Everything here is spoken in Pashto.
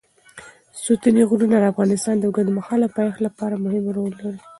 ستوني غرونه د افغانستان د اوږدمهاله پایښت لپاره مهم رول لري.